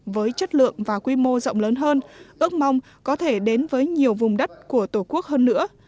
với chất lượng và quy mô rộng lớn hơn ước mong có thể đến với nhiều vùng đất của tổ quốc hơn nữa